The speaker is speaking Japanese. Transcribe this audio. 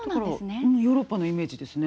だからヨーロッパのイメージですね。